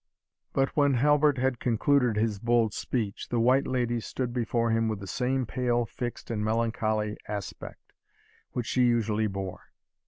But when Halbert had concluded his bold speech, the White Lady stood before him with the same pale, fixed, and melancholy aspect, which she usually bore.